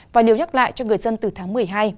và điều nhắc lại cho người dân từ tháng một mươi hai